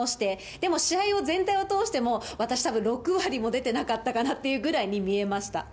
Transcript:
でも、試合を全体を通しても、私、たぶん６割も出てなかったかなっていうぐらいに見えました。